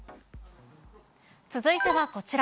続いてはこちら。